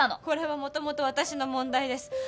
これはもともと私の問題です。